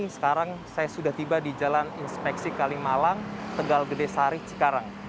sekarang saya sudah tiba di jalan inspeksi kalimalang tegal gede sari cikarang